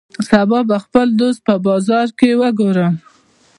سبا به خپل دوست په بازار کی وګورم